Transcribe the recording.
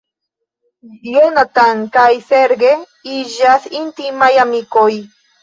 Jonathan kaj Serge iĝas intimaj amikoj.